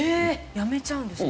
辞めちゃうんですか？